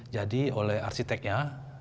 jadi oleh arsiteknya